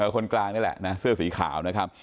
คนกลางนี่แหละนะเสื้อสีขาวนะครับ